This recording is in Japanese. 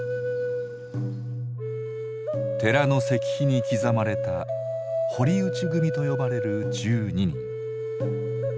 寺の石碑に刻まれた「堀内組」と呼ばれる１２人。